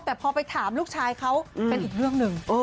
แต่พอไปถามลูกชายเขาเป็นอีกเรื่องหนึ่ง